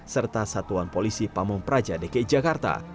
serta satuan polisi pamung praja dki jakarta